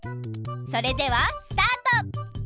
それではスタート！